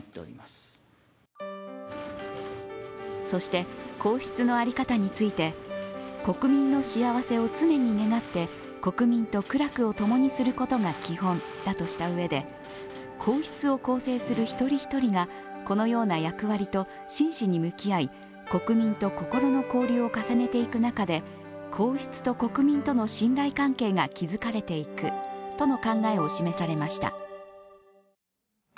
そして皇室の在り方について国民の幸せを常に願って国民と苦楽を共にすることが基本だとしたうえで皇室を構成する一人一人がこのような役割と真摯に向き合い、国民と心の交流を重ねていく中で皇室と国民との信頼関係が築かれていくとの考えを示されました。